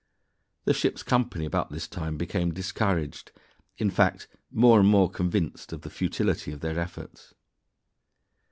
The ship's company about this time became discouraged in fact, more and more convinced of the futility of their efforts.